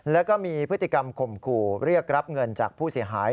แล้วก็มีพฤติกรรมข่มขู่เรียกรับเงินจากผู้เสียหาย